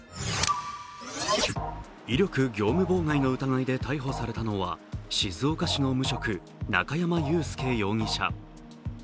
威力業務妨害の疑いで逮捕されたのは、静岡市の無職、中山雄介容疑者。